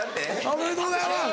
おめでとうございます。